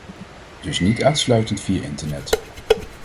Dus niet uitsluitend via internet.